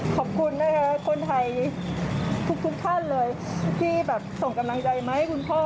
ขอบคุณนะคะคนไทยทุกท่านเลยที่แบบส่งกำลังใจมาให้คุณพ่อ